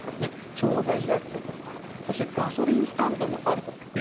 調剤薬局もありガソリンスタンドもあると。